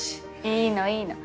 いいのいいの。